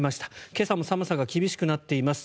今朝も寒さが厳しくなっています。